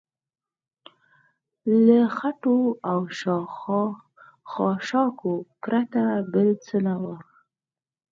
له خټو او خاشاکو پرته بل څه نه و.